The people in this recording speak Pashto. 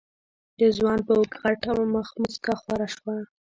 د ځوان په اوږد غټ مخ موسکا خوره شوه.